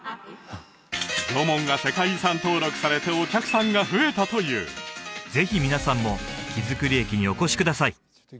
縄文が世界遺産登録されてお客さんが増えたというぜひ皆さんも木造駅にお越しください